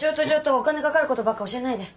お金かかることばっか教えないで。